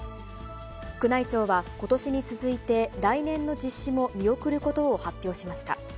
宮内庁は、ことしに続いて来年の実施も見送ることを発表しました。